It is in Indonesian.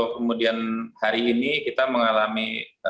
kemudian hari ini kita mengalami